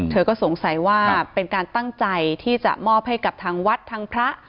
เธอก็สงสัยว่าเป็นการตั้งใจที่จะมอบให้กับทางวัดทางพระ